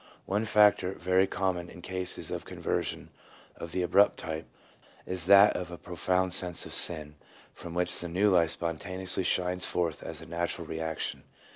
One factor very common in cases of conversion of the abrupt type, is that of a profound sense of sin, from which the new life spontaneously shines forth as a natural reaction.